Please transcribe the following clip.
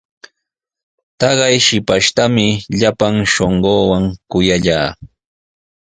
Taqay shipashtami llapan shunquuwan kuyallaa.